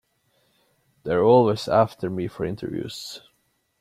They're always after me for interviews.